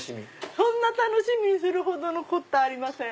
そんな楽しみにするほどのことありません。